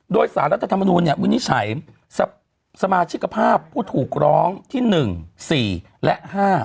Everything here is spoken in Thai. โดยสารรัฐธรรมนูลวินิจฉัยสมาชิกภาพผู้ถูกร้องที่๑๔และ๕